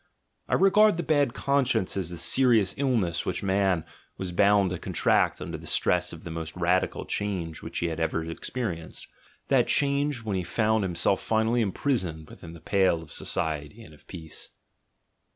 I regard the bad con science as the serious illness which man was bound to con tract under the stress of the most radical change which he has ever experienced — that change, when he found himself finally imprisoned within the pale of society and of peace.